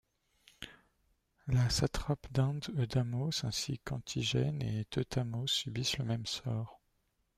Le satrape d'Inde Eudamos ainsi qu'Antigénès et Teutamos subissent le même sort.